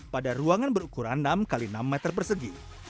pada ruangan berukuran enam x enam meter persegi